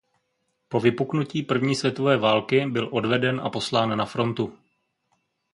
Po vypuknutí První světové války byl odveden a poslán na frontu.